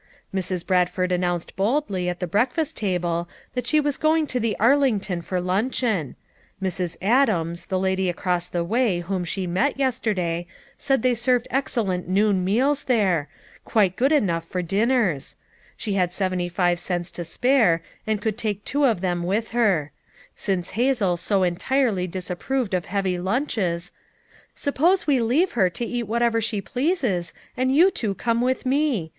Mrs. Brad ford announced boldly at the breakfast table FOUR MOTHERS AT CHAUTAUQUA 113 that she was going to the Arlington for lun cheon; Mrs. Adams, the lady across the way whom she met yesterday, said they served ex cellent noon meals there, quite good enough for dinners; she had seventy five cents to spare, and could take two of them with her ; since Hazel so entirely disapproved of heavy lunches, " sup pose we leave her to eat whatever she pleases and you two come with me?